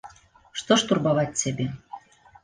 Што ж турбаваць цябе.